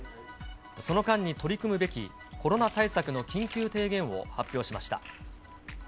その間に取り組むべきコロナ対策の緊急提言を発表しました。